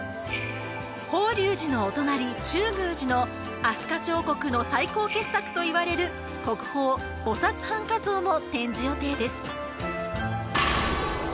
法隆寺のお隣「中宮寺」の飛鳥彫刻の最高傑作と言われる国宝菩薩半跏像も展示予定です